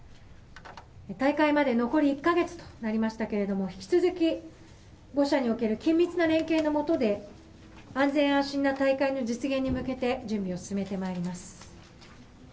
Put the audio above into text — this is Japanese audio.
大会まで残り１か月となりましたけれども、引き続き、５者における緊密な連携の下で、安全安心な大会の実現に向けて準備を進めてまいります。